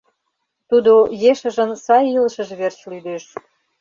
Тудо ешыжын сай илышыж верч лӱдеш...